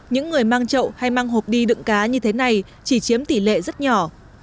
những người mang chậu hay mang hộp đi đựng cá như thế này chỉ chiếm tỷ lệ rất nhỏ